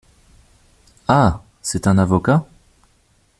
Ah ! c’est un avocat ?